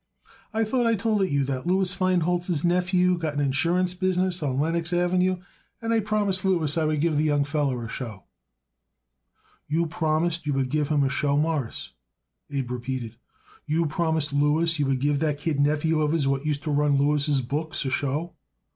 "I thought I told it you that Louis Feinholz's nephew got an insurance business on Lenox Avenue, and I promised Louis I would give the young feller a show." "You promised you would give him a show, Mawruss?" Abe repeated. "You promised Louis you would give that kid nephew of his what used to run Louis' books a show?"